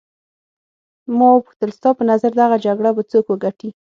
ما وپوښتل ستا په نظر دغه جګړه به څوک وګټي.